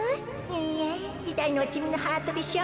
いいえいたいのはちみのハートでしょ？